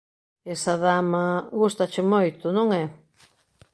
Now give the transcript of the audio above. Esa dama... gústache moito, non é?